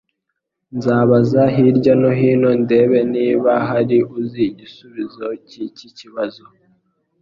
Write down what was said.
Nzabaza hirya no hino ndebe niba hari uzi igisubizo cyiki kibazo.